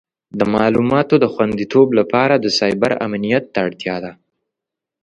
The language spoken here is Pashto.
د معلوماتو د خوندیتوب لپاره د سایبر امنیت اړتیا ده.